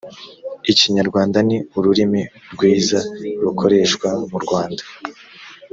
ikinyarwanda ni ururimi rwiza rukoreshwa mu rwanda